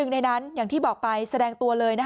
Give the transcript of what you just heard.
ในนั้นอย่างที่บอกไปแสดงตัวเลย